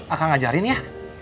akang ajarin ya